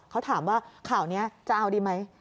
เขาถามว่าข่าวนี้จะเอาดีไหม